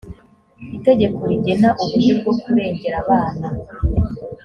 itegeko rigena uburyo bwo kurengera abana